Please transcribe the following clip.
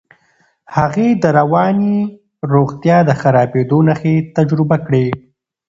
هغې د رواني روغتیا د خرابېدو نښې تجربه کړې.